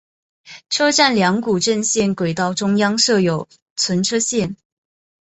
车站两股正线轨道中央设有存车线。